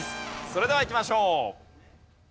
それではいきましょう。